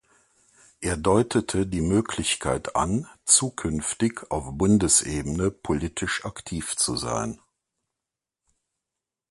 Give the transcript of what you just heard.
Er deutete die Möglichkeit an, zukünftig auf Bundesebene politisch aktiv zu sein.